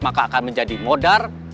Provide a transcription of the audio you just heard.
maka akan menjadi modar